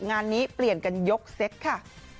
งานนี้เปลี่ยนกันยกเซ็ตค่ะ